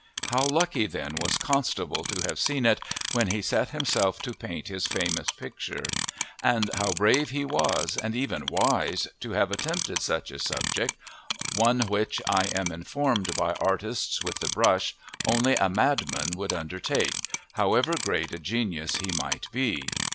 How lucky, then, was Constable to have seen it, when he set himself to paint his famous picture! And how brave he was and even wise to have attempted such a subject, one which, I am informed by artists with the brush, only a madman would undertake, however great a genius he might be.